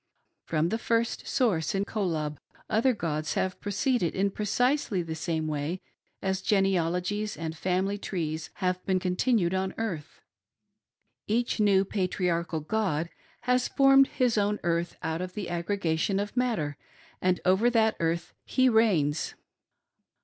From the First Source in "Kolob," other gods have proceeded in precisely the same way as genealogies and " family trees " have been continued on earth. Each new Patriarchal " god " has formed his own earth out of the aggregation of matter ; and over that earth he reigns.